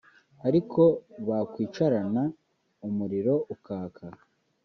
Ariko bakwicarana umuriro ukaka